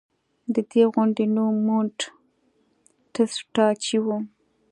د دې غونډۍ نوم مونټ ټسټاچي و